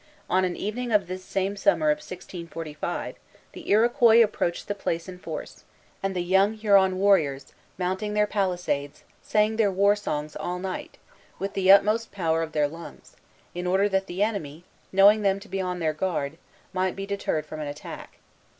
On an evening of this same summer of 1645, the Iroquois approached the place in force; and the young Huron warriors, mounting their palisades, sang their war songs all night, with the utmost power of their lungs, in order that the enemy, knowing them to be on their guard, might be deterred from an attack.